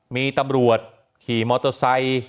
มีตำรวจขี่มอเตอร์ไซค์